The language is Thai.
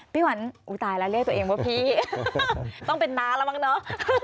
วันอุ้ยตายแล้วเรียกตัวเองว่าพี่ต้องเป็นน้าแล้วมั้งเนอะ